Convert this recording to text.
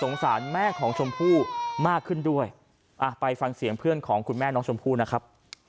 น้องชมพู่นะครับ